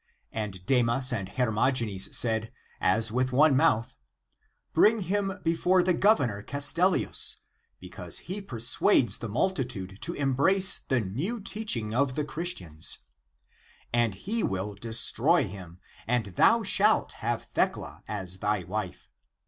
And Demas and Hermogenes said <as with one mouth>2^ "Bring him before the Gov ernor Castellius, because he persuades the multitude to embrace the new teaching of the Christians, and he will destroy him, and thou shalt have Thecla as thy wife.